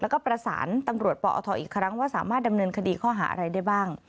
แล้วก็ประสานตำรวจปอทอีกครั้งว่าสามารถดำเนินคดีข้อหาอะไรได้บ้าง